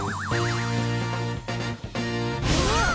うわぁっ！